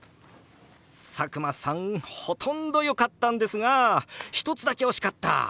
佐久間さんほとんどよかったんですが１つだけ惜しかった！